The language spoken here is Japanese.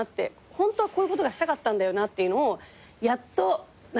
ホントはこういうことがしたかったんだよなっていうのをやっと。